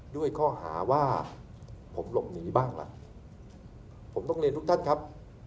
ด้วยข้อหาว่าผมหลบหนีบ้างล่ะผมต้องเรียนทุกท่านครับ